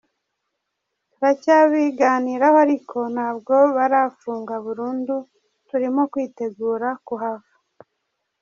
Turacyabiganiraho ariko ntabwo barafunga burundu, turimo kwitegura kuhava.